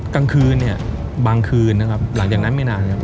กลางคืนเนี่ยบางคืนนะครับหลังจากนั้นไม่นานครับ